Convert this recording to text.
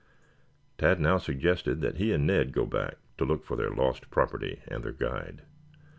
Tad now suggested that he and Ned go back to look for their lost property and their guide.